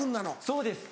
そうです。